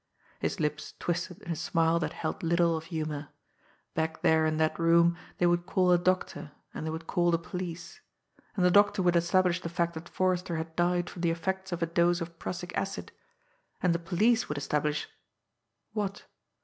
His lips twisted in a smile that held little of humour. Back there in that room they would call a doctor, and they would call the police. And the doctor would establish the fact that Forrester had died from the effects of a dose of prussic acid; and the police would establish what?